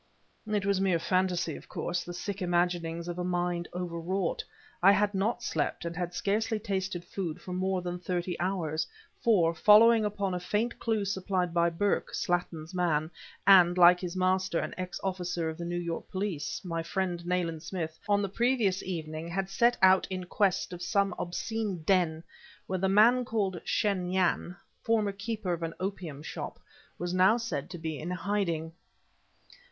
It was mere phantasy, of course, the sick imaginings of a mind overwrought. I had not slept and had scarcely tasted food for more than thirty hours; for, following up a faint clue supplied by Burke, Slattin's man, and, like his master, an ex officer of New York Police, my friend, Nayland Smith, on the previous evening had set out in quest of some obscene den where the man called Shen Yan former keeper of an opium shop was now said to be in hiding.